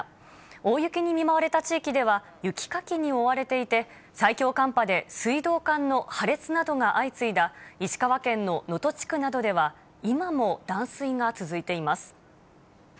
大雪に見舞われた地域では、雪かきに追われていて、最強寒波で水道管の破裂などが相次いだ石川県の能登地区などでは、今も断水が続いています。